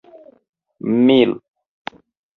mil